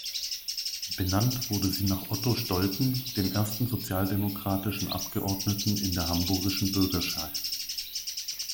Benannt wurde sie nach Otto Stolten, dem ersten Sozialdemokratischen Abgeordneten in der Hamburgischen Bürgerschaft.